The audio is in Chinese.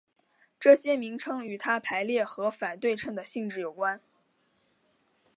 这些名称与它排列和反对称的性质有关。